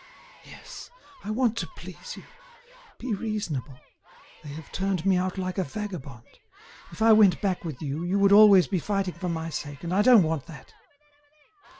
"Yes. I want to please you. Be reasonable. They have turned me out like a vagabond. If I went back with you, you would always be fighting for my sake, and I don't want that."